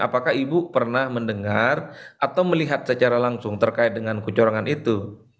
apakah ibu pernah mendengar atau melihat secara langsung terkait dengan kecurangan itu